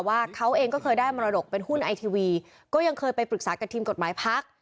ว่าเขาเองก็เคยได้มรดกเป็นหุ้นไอทีวีก็ยังเคยไปปรึกษากับทีมกฎหมายพัก